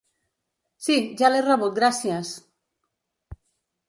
Si, ja l'he rebut gràcies.